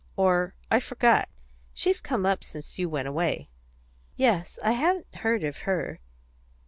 Or, I forgot. She's come up since you went away." "Yes; I hadn't heard of her.